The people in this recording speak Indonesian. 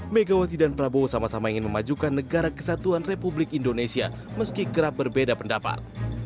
megawati dan prabowo sama sama ingin memajukan negara kesatuan republik indonesia meski kerap berbeda pendapat